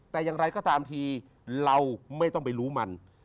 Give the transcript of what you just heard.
แต่อย่างไรก็ตามทีเราไม่ต้องไปรู้มัน